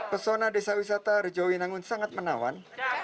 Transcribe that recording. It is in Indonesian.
pesona desa wisata rejawi nanggun sangat menawan